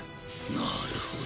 なるほど。